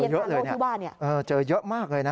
เจอเยอะเลยเจอเยอะมากเลยนะ